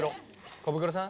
コブクロさん？